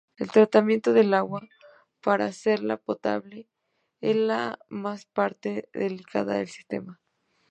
El tratamiento del agua para hacerla potable es la parte más delicada del sistema.